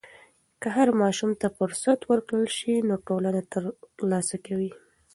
که هر ماشوم ته فرصت ورکړل سي، نو ټولنه ترلاسه کوي.